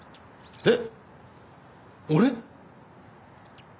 えっ！？俺？